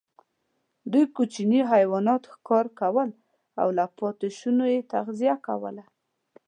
دوی کوچني حیوانات ښکار کول او له پاتېشونو یې تغذیه کوله.